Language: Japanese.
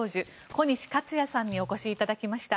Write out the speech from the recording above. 小西克哉さんにお越しいただきました。